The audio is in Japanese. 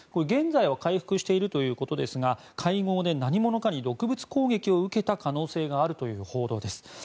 現在は回復しているということですが会合で何者かに毒物攻撃を受けた可能性があるという報道です。